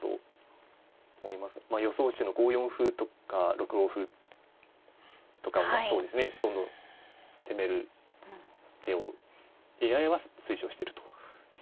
まあ予想手の５四歩とか６五歩とかをそうですねどんどん攻める手をＡＩは推奨してると。